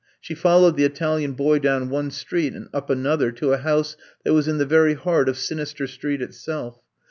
She followed the Italian boy down one street and up another to a house that was in the very heart of Sinister Street itself.